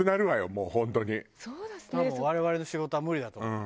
多分我々の仕事は無理だと思う。